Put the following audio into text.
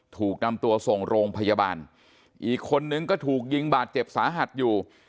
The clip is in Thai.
ถูกนำตัวส่งโรงพยาบาลอีกคนนึงก็ถูกยิงบาดเจ็บสาหัสอยู่